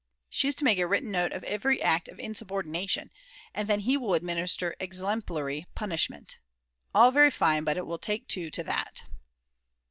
She is to make a written note of every act of insubordination, and then he will administer exemplary punishment. All very fine, but it will take two to that.